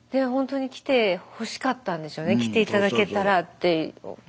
ほんとに来てほしかったんでしょうね来て頂けたらって。